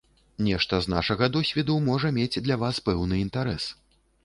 Нешта з нашага досведу можа мець для вас пэўны інтарэс.